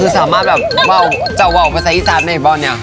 สามารถเศาวะพาซะอีซ่านหน่อยบ้างเนี่ย